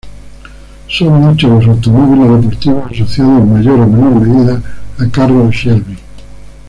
Son muchos los automóviles deportivos asociados en mayor o menor medida a Carroll Shelby.